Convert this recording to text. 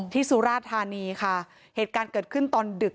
สุราธานีค่ะเหตุการณ์เกิดขึ้นตอนดึก